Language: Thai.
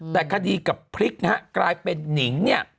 แต่กสดีกับพฤษนะครับกลายเป็นนิ่งนี่